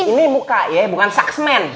ini muka ya bukan suksmen